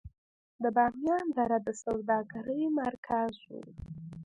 د بامیان دره د سوداګرۍ مرکز و